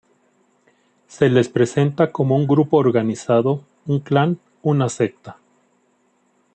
Se les presenta como un grupo organizado, un clan, una secta.